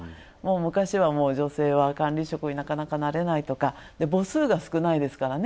昔は女性は管理職になかなかなれないとか、母数が少ないですからね。